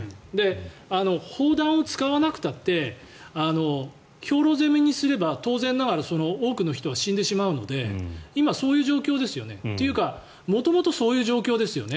砲弾を使わなくたって兵糧攻めにすれば当然ながら多くの人が死んでしまうので今そういう状況ですよね。というか元々そういう状況ですよね。